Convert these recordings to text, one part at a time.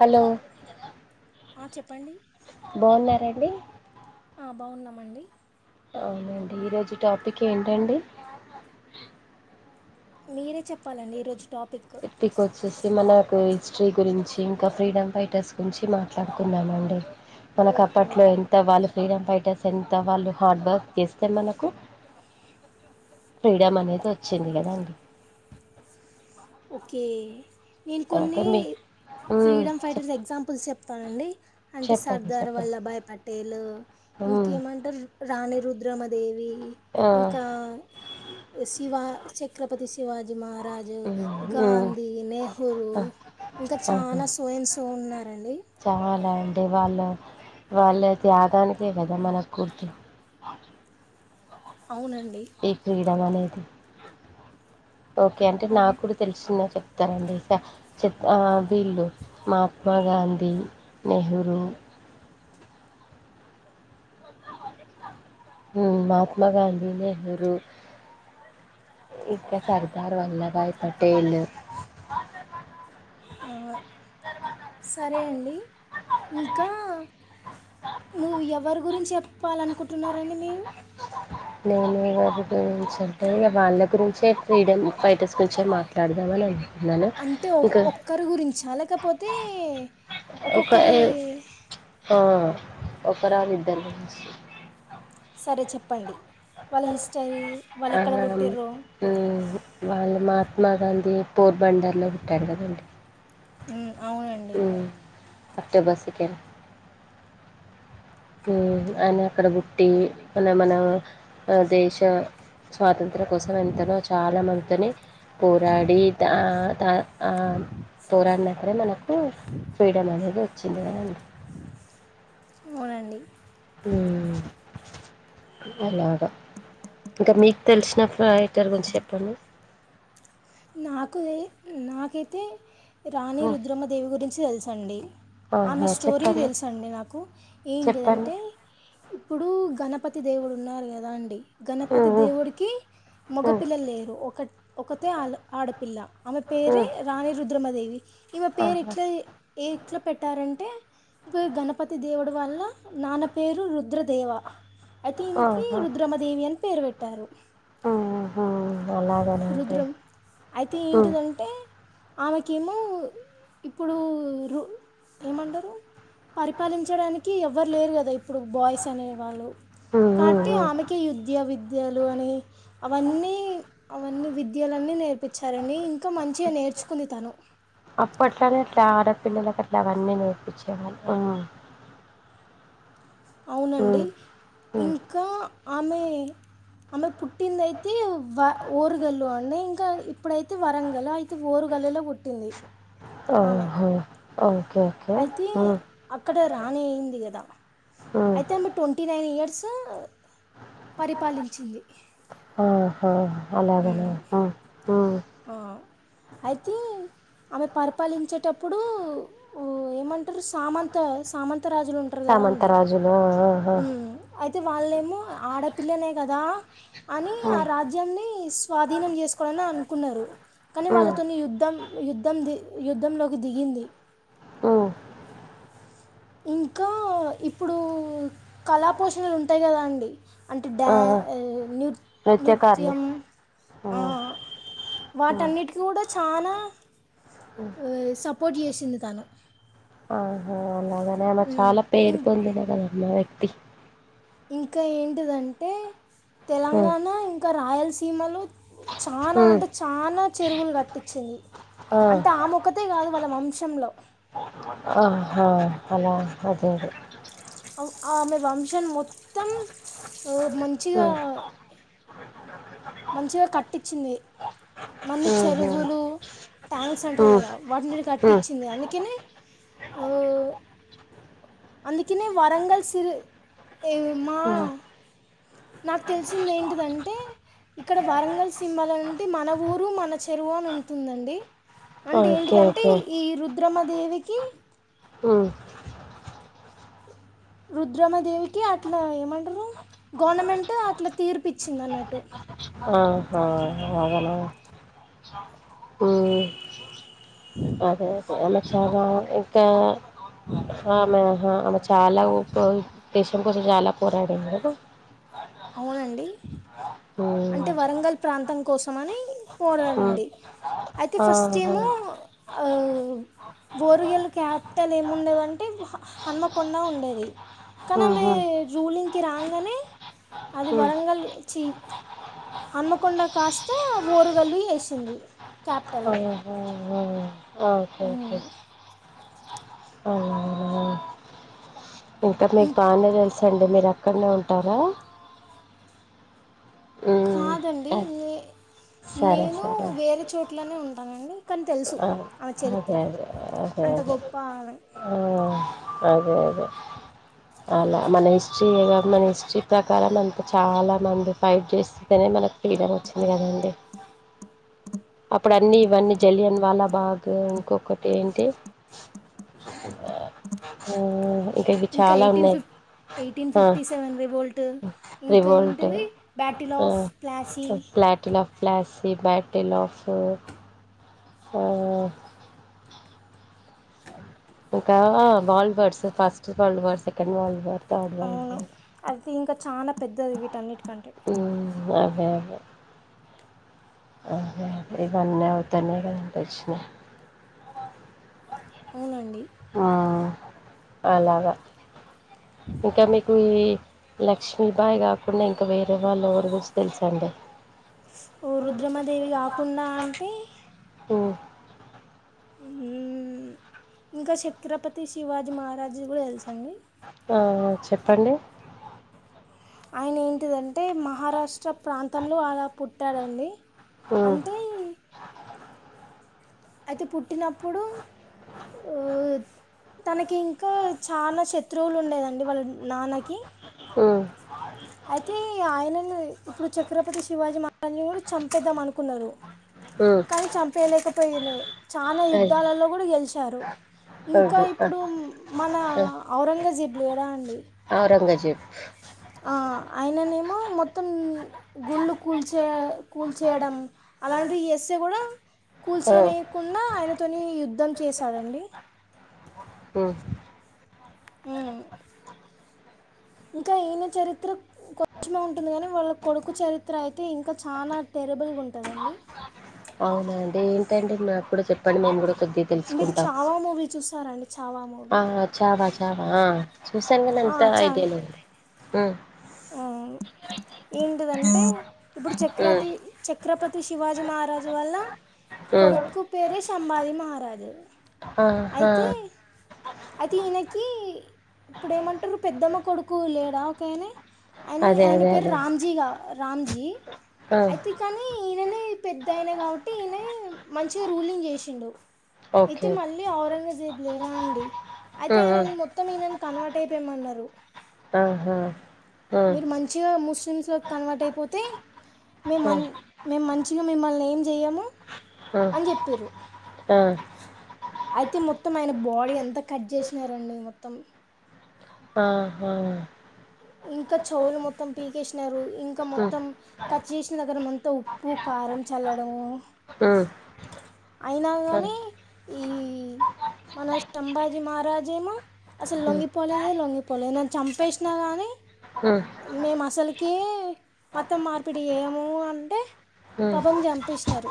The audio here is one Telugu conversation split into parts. హలో ఆ చెప్పండి బాగున్నారండి ఆ బాగున్నామండి అవునండి ఈరోజు టాపిక్ ఏంటండి మీరే చెప్పాలండి ఈరోజు టాపిక్ వచ్చసి మనకు స్ట్రీ గురించి ఇంకా ఫ్రీడమ్ ఫైటర్స్ గురించి మాట్లాడుకుద్దాం మండి మనకు ఓహో అప్పట్లో ఎంత వాళ్ళు ఫ్రీడమ్ ఫైటర్స్ ఎంత వాళ్ళు హార్డ్ వర్క్ చేస్తే మనకు ఫ్రీడమ్ అనేది వచ్చింది కదండి ఓకే నేను ఓకే కొన్ని మీ ఉమ్ ఫ్రీడమ్ చెప్ ఫైటర్స్ ఎగ్జాంపుల్స్ చెప్తానండి అంటే చెప్పండి సర్దార్ చెప్పండి వల్లభాయ్ పటేలు ఉమ్ ఇంకేమంటారు రాణి రుద్రమదేవి ఆ ఇంకా శివా ఛత్రపతి శివాజీ మహారాజు ఉమ్ ఉమ్ గాంధీ నెహ్ర్రూ ఆ ఇంకా చాలా సో యండ్ సో ఉన్నారండి మాలం దేవ వాళ్ళ వాళ్ళ త్యాగానికే కదా మన గుర్తు అవునండి ఈ ప్రీడమ్ అనేది ఓకే అంటే అవును నాకు కూడా తెలిసిందే చెప్ చెప్తాన్నండి సా చె ఆ బీళ్ళు మహాత్మా గాంధీ నెహ్రూ ఉమ్ మహాత్మా గాంధీ నెహ్రు ఇక్క సర్దార్ వల్లభాయ్ పటేల్ ఆ, తరువాత సరే అండి ఇంకా నువ్వు ఎవరి గురించి చెప్పాలనుకుంటున్నా రండి మీరు గారి గురించి అంటే ఇ వాళ్ళ గురించే ఫ్రీడమ్ ఫైటర్స్ గురించే మాట్లాడదామ అని అ అంటే ఒక్కరు గురించి లేకపోతే ఒక్కొక్కారి ఒక్కరు కాదు ఇద్దరు గురించి సరే చెప్పండి వాళ్ళ హిస్టరీ వాళ్ళు ఆ ఎక్కడ ఉహుమ్ పుట్టిర్రో వాళ్ళు మాత్ర మహాత్మా గాంధీ పోర్ బందర్లో పుట్టాడు కదండి మ్, అవునండి ఉమ్ అక్టోబర్ సెకండ్ ఉమ్ ఆయన అక్కడ పుట్టి అన్న మన ఆ దేశం స్వాతంత్ర్యం కోసం ఎంతనో చాలా మందిని పోరాడి ఆ త ఆమ్ పోరాడి నప్పుడు మనకు ఫ్రీడమ్ అనేది వచ్చింది కదండి అవునండి ఉమ్ అలాగా ఇంకా మీకు తెలిసిన ఫైట్ ఫైటర్ గురించి చెప్పండి నాకు నాకైతే రాణి హ్మ్. రుద్రమ్మ దేవి గురించి తెల్స్ అండి ఆమె ఆహా! స్టోరీ చెప్పండి. తెలుసు అండి నాకు చెప్పండి. ఏంటిదంటే ఇప్పుడు గణపతి దేవుడు ఉన్నారు కదా అండి గణపతి హ్మ్. దేవుడికి హ్మ్. మగపిల్లలు లేరు ఒక ఒకతే ఆ ఆడపిల్ల ఆమె హ్మ్. పేరే హ్మ్. రాణి రుద్రమాదేవి ఈమె పేరు ఆహా! ఎట్లా ఏ ఎట్లా పెట్టారంటే యే గణపతి దేవుడు వాళ్ల నాన్న పేరు రుద్రదేవ అయితే ఈయనకి ఆహా! రుద్రమదేవి అని పేరు పెట్టారు హుహు. అలాగనండి. రుద్రం అయితే హ్మ్. ఏంటిదంటే ఆమెకేమో ఇప్పుడు రూ ఏమంటారు పరిపాలించడానికి ఎవరు లేరు కదా ఇప్పుడు బాయ్స్ అనేవాళ్ళు హ్మ్. హ్మ్. కాబట్టి హ్మ్. ఆమెకి యుద్యా విద్యలు అని అవన్నీ అవన్నీ విద్యలన్నీ నేర్పించారండి ఇంకా మంచిగా నేర్చుకుంది తను అప్పట్లోనే ఇట్లా ఆడపిల్లలకు అట్లా అవన్నీ నేర్పించేవాల్లు హ్మ్ అవునండి ఉమ్ ఇంకా ఆమె ఆమె పుట్టింది అయితే వ ఓరుగల్లు అండి ఇంకా ఇప్పుడైతే వరంగల్ అయితే ఓరు గల్లు లో పుట్టింది ఆమె ఓహో ఓకే ఓకే అయితే ఉమ్ అక్కడ రాణి అయింది కదా ఉమ్ అయితే ఆమె ట్వంటీ నైన్ ఇయర్స్ పరిపాలించింది అహ అలాగా నా ఆ అహ్ ఓ అయితే ఆమె పరిపాలించేటప్పుడు ఉ ఏమంటారు సామంత సామంత సామంతా రాజులు ఉంటారు కదా అండి సామంతరాజులు ఆహా ఉమ్ అయితే అయితే వాళ్ళ ఏమో ఆడపిల్లనే కదా అని ఆ ఉమ్ రాజ్యాన్ని స్వాధీనం చేసుకోవాలని అనుకు కున్నారు కానీ ఉమ్ వాళ్ళతోని యుద్ధం యుద్ధం ది యుద్ధంలోకి దిగింది ఉహ్ ఇంకా ఇప్పుడు కళా పోషణలు ఉంటాయి కదా అండి అంటే డ్యా ఆ ఆ! అదే నృ నృత్యకారులు నృత్యం ఆ ఉమ్ ఉమ్ వాటన్నిటికీ కూడా చానా ఉమ్ సపోర్ట్ చేసింది తను ఆహా అలాగనే ఆమె చాలా ఇం పేరు పొందినా కదా మ్మా వ్యక్తి ఇంకా ఏంటిదంటే ఉమ్ తెలంగాణ ఇంకా రాయలసీమలో చానా ఉమ్ అంటే చానా చెరువులు కట్టించింది అంటే ఆ మొక్కతే కాదు వాళ్ళ వంశంలో ఆహా అలా అదే అదే ఆమె వంశాన్ని మొత్తం అదే మంచిగా మంచిగా కట్టించింది మన్ని ఉమ్ ఉహు చెరువులు ట్యాంక్స్ అంటారు ఉమ్ కదా వాటిని ఓకే కట్టించింది అందుకనే ఉహ్ అందుకనే వరంగల్ సిరి ఏ మా నాకు తెలిసింది ఏంటిదంటే ఇక్కడ వరంగల్ సింమాల అంటే మన ఊరు మన చెరువు అని ఉంటుందండి అంటే ఏంటిదంటే ఓకే ఈ రుద్రమ దేవికి రుద్రమదేవికి అట్లా ఏమంటారు గవర్నమెంట్ అట్లా తీర్పు ఇచ్చింది అన్నట్టు ఆహ అవునా హమ్ అదే అమె చాల ఇంకా ఆమె ఆమె చాలా ఓపికతో దేశం కోసం చాలా పోరాడింది అవునండి అంటే ఉమ్, వరంగల్ ప్రాంతం కోసం అని ఉమ్, పోరాడింది అయితే ఫస్ట్ ఆహా ఏమో ఓరుగల్లు క్యాపిటల్ ఏముండేదంటే హన్మకొండా ఉండేది కానీ ఆమె ఉహు, రూలింగ్ కి రాగానే అది ఉమ్, వరంగల్ చి హన్మకొండ కాస్త ఓరుగల్లు చేసింది క్యాపిటల్ హమ్ ఆమ్ అవునా ఇంకా మీకు ఇంక్ బాగానే తెలుసు అండి మీరు ఎక్కడనే ఉంటారా ఉమ్, కాదండి ఆ, నే సరే నేను సరే వేరే చోట్లోనే ఉంటానండి కానీ తెలుసు ఆ ఆమె అదే చరిత్ర అదే అదే అంత అదే గొప్ప ఆమె ఆ అదే అదే అలా మన హిస్టరీ మన హిస్టరీ ప్రకారం అంత చాలా మంది ఫైట్ చేస్తనే మనకి ఫ్రీడం వచ్చింది కదండి అప్పుడు అన్నిీ ఇవన్నీ జలియన్ వాలా బాగ్ ఇంకొకటి ఏంటి ఆ ఇంకా ఇ చాలా ఎయిటీన్ ఉన్నాయి ఫిఫ్ ఎయిటీన్ ఆ ఫిఫ్టీ సెవెన్ రివోల్ట్ ఇంక రివోల్ట్ ఏంటది battle of Plassey battle of Plassey battle of ah ఇంకా world wars first world war second world war third world war అ ఇంకా చాలా పెద్దది వీటన్నిటికంటే అదే అదే అ ఇవన్నీ అవుతనే కదా ఇవి వచ్చినాయి అవునండి ఆహ్ అలాగా ఇంకా మీకు ఏ లక్ష్మీ బాయ్ కాకుండా ఇంకా వేరే వాళ్ళ గురించి ఎవరి గురించి తెలుసండి ఓ రుద్రమదేవి కాకుండా అంటే హమ్ ఇంకా ఛత్రపతి శివాజీ మహారాజు ది కూడా తెలుసండి ఉహ్ చెప్పండి ఆయన ఏంటిదంటే మహారాష్ట్ర ప్రాంతంలో అలా పుట్టాడండి ఉమ్ అంటే ఈ అయితే పుట్టినప్పుడు అ తనకి ఇంకా చాలా శత్రువులు ఉండేదండి వాళ్ళ నాన్నకి ఉమ్ అయితే ఆయనను ఇప్పుడు ఛక్రపతి శివాజీ మహారాజుని కూడా చంపేద్దాం అనుకున్నారు ఉమ్ కానీ చంపేయలేకపోయాను చాలనాా అది యుద్ధాలలో కూడా గెలిచారు ఇంకా వద్దు ఇప్పుడు మన ఔరంగజేబ్ లేడా అండి ఔరంగజేబు అ అయననేమో మొత్తం గుళ్ళు కూల్చ కూల్చేడం అలాంటి చేస్తే ఆ కూల్చనియకుండా ఆయనతోని యుద్ధం చేసాడండి మ్ అన ఉమ్. ఇంకా ఈయన చరిత్ర కొంచమే ఉంటుంది కాని వాళ్ళ కొడుకు చరిత్ర అయితే ఇంకా చాల తెర్ టేబుల్గా ఉంటదండి అవున అండి ఏంటంటే మాకు కూడా చెప్పండి మేము కూడా కొద్దిగ మీరు తెలుసుకుంటాం చావా మూవీ చూసారండి చావా ఆ మూవీ చాలా చ చవా అ చూసను కని అంతా ఐడియా లేదు మ్ మ్ ఏంటిదంటే ఇప్పుడు ఉమ్ చక్రాతి చ ఛత్రపతి శివాజీ మహారాజు వల్ల ఉమ్ కొడుకు పేరే సంబాజి మహారాజు ఆహా అయితే అయితే ఈయనకి ఇప్పుడు ఏమంటారు పెద్దమ్మ కొడుకు లేడా ఒకనే ఆయన అదే ఆయన అదే పేరు అదే రామ్జీగా రామ్జీ ఆ అయితే కానీ ఈయననే పెద్దయినా కాబట్టి ఈయన మంచిగా రూలింగ్ చేసిండు అయితే ఓకే మళ్ళీ ఔరంగజేబ్ లేరా అండి అయితే ఉమ్ ఉమ్ ఆయనను మొత్తం ఈనన్ కన్వర్ట్ అయిపోయమన్నారు ఆహా ఆ మీరు మంచిగా ముస్ మిస్లిమ్ లోకి కన్వర్ట్ అయిపోతే మేము ఆ మం మేము మంచిగా మిమ్మల్ని ఏం చేయము ఆ అని చెప్పిర్రు ఆ అయితే మొత్తం ఆయన బాడీ అంత కట్ చేసినారండి మొత్తం ఆహా ఇంకా చెవులు మొత్తం పీకేసినారు ఇంకా హ్మ్ మొత్తం కట్ చేసిన దగ్గర అంతా ఉప్పు కా కారం చల్లడం మ్ అయినా కానీ ఈ మన సంభాజీ మహారాజేమో అసలు హ్మ్ లొంగిపోలేదే లొంగిపోలే నన్ను చంపేసినా గాని హ్మ్ మేము అసలుకే మత మార్పిడి చేయమంటే హ్మ్ పపం చంపెసినారు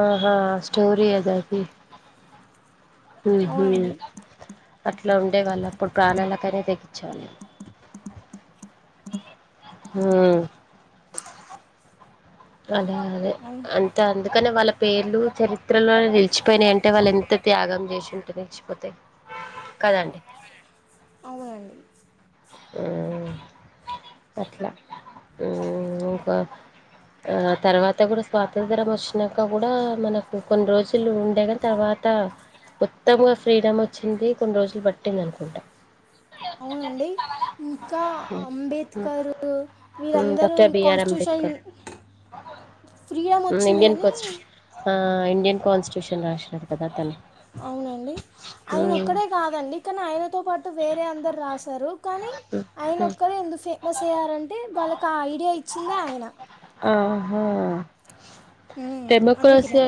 ఆహా స్టోరి ఏదది మ్ హు అవునండి అట్ ట్లా ఉండేవాళ్ళు అప్పుడు ప్రాణాలకైనా తెగించేవాళ్ళు మ్ అదే అదే అవు అంత అండి కాని వాళ్ళ పేర్లు చరిత్రలో నిలిచిపోయినాయి అంటే వాళ్ళు ఎంత త్యాగం చేసింటే నిలిచిపోతేాయి కదండి అవునండి హ్మ్ అట్లా మ్ ఇంకో ఆ తర్వాత కూడా స్వాతంత్య్రం వచ్చినాక కూడా మనకు కొన్ని రోజులు ఉండే కాని తర్వ త మొతంగా ఫ్రీడమ్ వచ్చింది కొన్ని రోజులు పట్టింది అనుకుంటా అవునండి ఇంకా అంబేద్కరు ఉమ్, వీళ్ళందరూ doctor BR constitution Ambedkar freedom వచ్చింది ఇండియన్ కానీ కోచ్ ఆ ఇండియన్ కాన్స్టిట్యూషన్ రాసినారు కదా అతను అవునండి ఆయన ఒక్కడే కాదండి కానీ ఆయన తో పాటు వేరే అందరు రాశారు కానీ ఆయన ఒక్కరు ఎందు ఫే ప్రెస్ అయ్యరంటే వాళ్ళకి ఆ ఐడియా ఇచ్చిందే ఆయన ఆహా మ్మ్. అందుకనే డెమోక్రోసే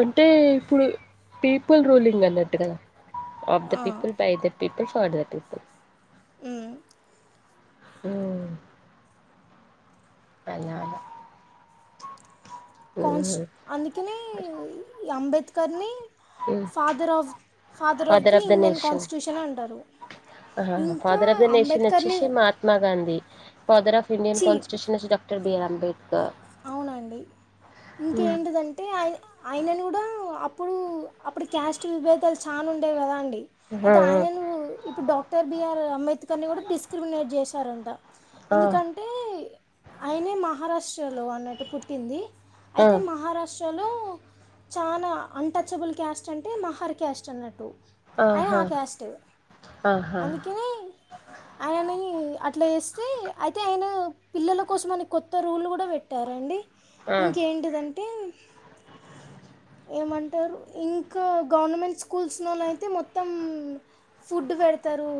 అంటే ఇప్పుడు పీపుల్ రూలింగ్ అన్నట్టు కదా ఆఫ్ ఆ, the people by the people for the people uh um, అలా అలా కాన్స్ ఉమ్, అందుకనే ఈ అంబేద్కర్ని um. Father of father of the Indian constitution అంటారు ఆ హా హా ఇంకా ఫాదర్ ఆఫ్ ద నేషన్ అంబేద్కర్ని వచ్చేషి మహాత్మాగాంధీ ఫాదర్ ఆఫ్ ఇండియన్ చీ కాన్స్టిట్యూషన్ ఒచ్చేసి డాక్టర్ బీ ఆర్ అంబేద్కర్ అవునండి హ్మ్. ఇంకేంటిదంటే ఆయి ఆయనని కూడా అప్పుడు అప్పుడు క్యాస్ట్ విభేదాలు చానా ఉండేవి కదా అండి ఆ! అయితే ఆయనను ఇప్పుడు డాక్టర్ బిఆర్ అంబేద్కర్ ని కూడా డిస్క్రిమినేట్ చేశారంట ఆ! ఎందుకంటే ఆయనే మహారాష్ట్రలో అన్నట్టు పుట్టింది ఆ! అయితే ఆ! మహారాష్ట్ర లో లో చాలా అన్టచ్బుల్ క్యాస్ట్ అంటే మహర్ క్యాస్ట్ అన్నట్టు అయిన ఆహా! ఆ క్యాస్ట్ ఆహా! అందుకని ఆయనని అట్లా చేస్తే అయితే ఆయన పిల్లల కోసం అని కొత్త రూళ్లు కూ డా పెట్టారండి ఆ! ఇంకేంటిదంటే ఏమంటారు ఇంకా గవర్నమెంట్ స్కూల్స్లో నైతే మొత్తం ఫుడ్ వేడుతారు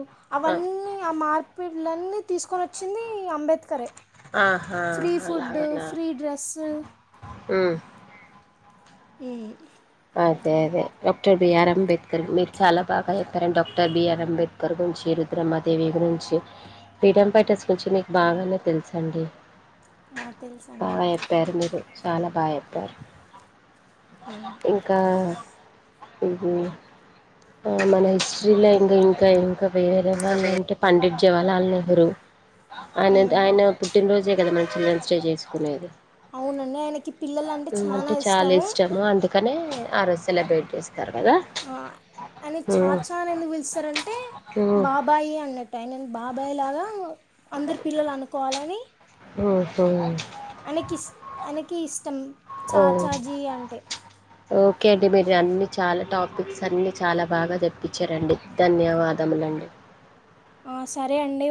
ఆ! అవన్నీ ఆ మార్పిట్లన్నీ తీసుకొనోచ్చింది ఈ అంబేద్కరే ఆహా ఫోడ్డూ ఫ్రీ డ్రెస్సు ఉహ్ ఉహ్ అదే అదే డాక్టర్ బిఆర్ అంబేద్కర్ మీరు చాలా బాగా చెప్పారండి డాక్టర్ బిఆర్ అంబేద్కర్ గురించి రుద్రమాదేవి గురించి ఫ్రీడమ్ ఫైటర్స్ గురించి మీకు బాగానే తెలుసండి ఆ తెలుసండి బాగా చెప్పారు మీరు. చాలా బా చెప్పారు ఇంకా ఉహ్ మన హిస్టరీలో ఇంకా ఇం ఇంకా ఇంకా వేరే వాళ్ళంటే పండిత్ జవహర్లాల్ నెహ్రూ ఆయన ఆయన పుట్టినరోజే కదా మనం చిల్డ్రన్స్ డే చేసుకునేది నే ఆయనకి హు అంటే చాలా ఇష్టము అందుకనే ఆ రోజు సెలబ్రేట్ చేస్ అయినన్ చాచాని ఎందుకు పిలుస్తారంటే మ్మ్. బాబాయి అన్నట్టు టై అయినని బాబాయ్ లాగా అందరి పిల్లలు అనుకోవాలని ఓహో ఆయినకిస్ ఆయినకి ఇష్టం ఓ చాచాజీ అంటే ఓకే అండి మీరు అన్ని చాలా టాపిక్స్ అన్నీ చాలా బాగా చెప్పించారండి ధన్యవాదములండి ఆ సరే అండి